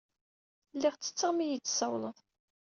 Lliɣ tetteɣ mi yi-d-tsawleḍ.